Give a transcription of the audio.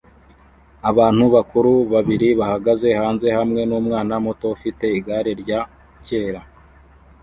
Abantu bakuru babiri bahagaze hanze hamwe numwana muto ufite igare rya kera